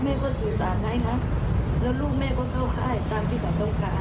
แม่ก็สื่อสารให้นะแล้วลูกแม่ก็เข้าค่ายตามที่เขาต้องการ